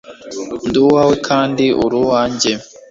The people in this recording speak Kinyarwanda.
ndi uwawe kandi uri uwanjye